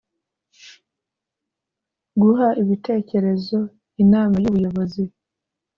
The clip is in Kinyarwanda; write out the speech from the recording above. Guha ibitekerezo Inama y Ubuyobozi